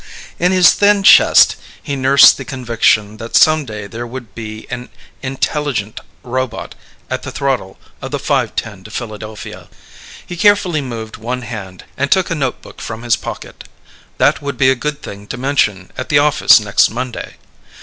In his thin chest he nursed the conviction that someday there would be an intelligent robot at the throttle of the 5:10 to Philadelphia. He carefully moved one hand and took a notebook from his pocket. That would be a good thing to mention at the office next Monday.